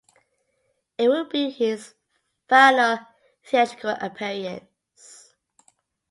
It would be his final theatrical appearance.